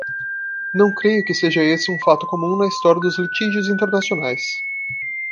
Não creio que seja esse um fato comum na história dos litígios internacionais.